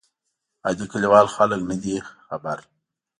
عادي کلیوال خلک نه دي خبر.